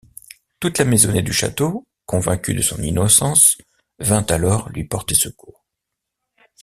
Toute la maisonnée du château convaincu de son innocence vint alors lui porter secours.